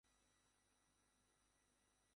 কিন্তু, ফুলওয়া কেন?